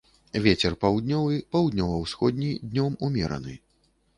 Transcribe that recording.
Вецер паўднёвы, паўднёва-ўсходні, днём умераны.